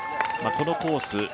このコース